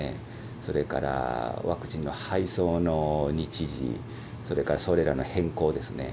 それからワクチンの配送の日時、それからそれらの変更ですね。